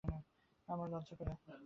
আমার লজ্জা করে।